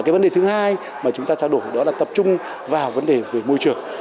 cái vấn đề thứ hai mà chúng ta trao đổi đó là tập trung vào vấn đề về môi trường